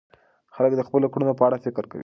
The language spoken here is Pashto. خلک د خپلو کړنو په اړه فکر کوي.